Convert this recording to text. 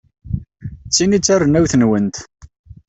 D tin ay d tarennawt-nwent.